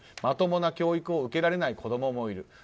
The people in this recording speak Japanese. まともな教育を受けられない子供もいる。